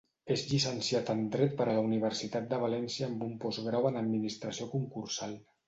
És llicenciat en Dret per la Universitat de València amb un postgrau en administració concursal.